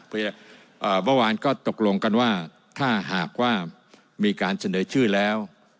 เมื่อวานก็ตกลงกันว่าถ้าหากว่ามีการเสนอชื่อแล้ว